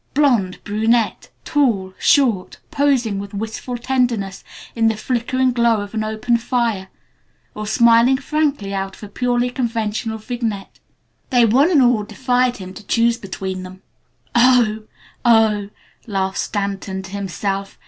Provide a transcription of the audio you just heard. Blonde, brunette, tall, short, posing with wistful tenderness in the flickering glow of an open fire, or smiling frankly out of a purely conventional vignette they one and all defied him to choose between them. "Oh! Oh!" laughed Stanton to himself.